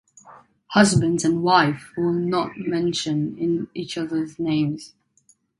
Husbands and wives will not mention each other's names.